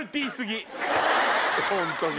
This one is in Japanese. ホントに。